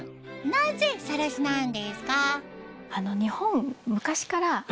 なぜさらしなんですか？